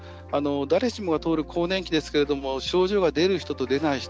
誰しもが通る更年期ですけれども症状が出る人と出ない人。